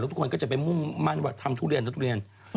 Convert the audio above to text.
แล้วทุกคนก็จะไปมุ่งมั่นว่าทำทุเรียน